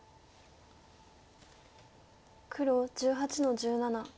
黒１８の十七。